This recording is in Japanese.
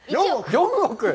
４億？